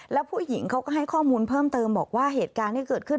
แล้วผู้หญิงเขาก็ให้ข้อมูลเพิ่มเติมบอกว่าเหตุการณ์ที่เกิดขึ้น